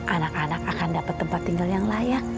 anak anak akan dapat tempat tinggal yang layak